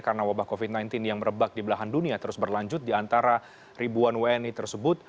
karena wabah covid sembilan belas yang merebak di belahan dunia terus berlanjut di antara ribuan wni tersebut